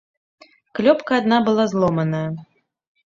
Клёпка адна была зломаная.